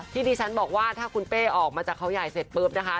ที่ดิฉันบอกว่าถ้าคุณเป้ออกมาจากเขาใหญ่เสร็จปุ๊บนะคะ